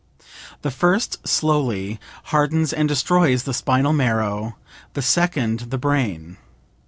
The first slowly hardens and destroys the spinal marrow, the second the brain.